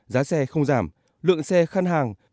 giá xe không giảm lượng xe khăn hàng